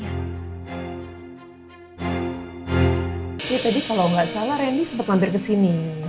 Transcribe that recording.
iya tadi kalau gak salah rendy sempat mampir ke sini